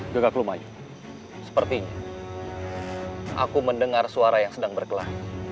gagak lu mayu sepertinya aku mendengar suara yang sedang berkelah